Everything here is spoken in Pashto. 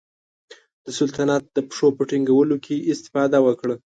د سلطنت د پښو په ټینګولو کې استفاده وکړه.